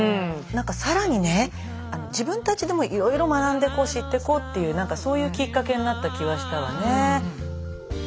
なんか更にね自分たちでもいろいろ学んで知っていこうっていうそういうきっかけになった気はしたわね。